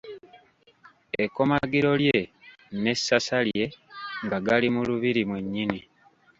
Ekkomagiro lye n'essasa lye nga gali mu Lubiri mwennyini.